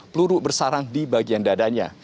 peluru bersarang di bagian dadanya